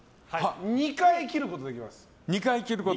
２回切ることができます。